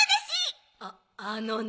ああのね。